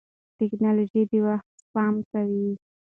ټکنالوژي د وخت سپما کوي.